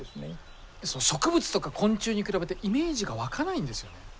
植物とか昆虫に比べてイメージが湧かないんですよね。